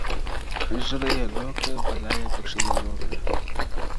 ږيره ئې لو کړه، بلا ئې پکښي للو کړه.